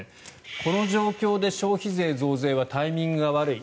この状況で消費税増税はタイミングが悪い。